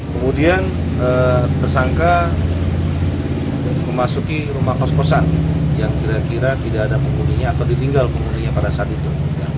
kemudian tersangka memasuki rumah kos kosan yang kira kira tidak ada penghuninya atau ditinggal penghuninya pada saat itu